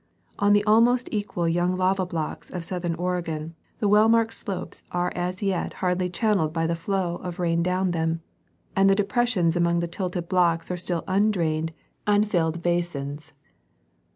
On the almost equally young lava blocks of southern Oregon, the well marked slopes are as yet hardly channeled by the flow of rain down them, and the depressions among the tilted blocks are still undrained, un filled basins.